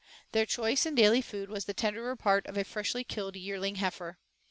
Their choice and daily food was the tenderer part of a freshly killed yearling heifer.